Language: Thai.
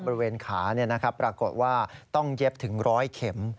บริเวณขาปรากฏว่าต้องเย็บถึง๑๐๐เข็ม